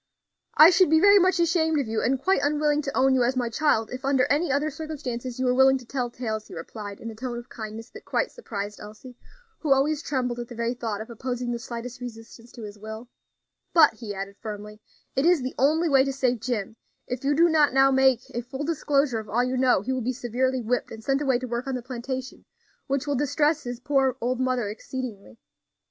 "I should be very much ashamed of you, and quite unwilling to own you as my child, if under any other circumstances you were willing to tell tales," he replied, in a tone of kindness that quite surprised Elsie, who always trembled at the very thought of opposing the slightest resistance to his will; "but," he added, firmly, "it is the only way to save Jim; if you do not now make a full disclosure of all you know, he will be severely whipped and sent away to work on the plantation, which will distress his poor old mother exceedingly.